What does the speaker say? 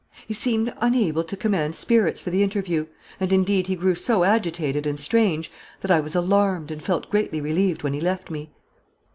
He seemed unable to command spirits for the interview; and, indeed, he grew so agitated and strange, that I was alarmed, and felt greatly relieved when he left me....